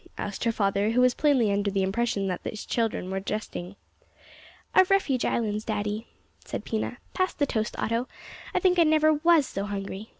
asked her father, who was plainly under the impression that his children were jesting. "Of Refuge Islands, daddy," said Pina; "pass the toast, Otto, I think I never was so hungry.